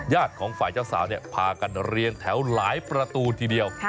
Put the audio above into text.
ของฝ่ายเจ้าสาวพากันเรียงแถวหลายประตูทีเดียว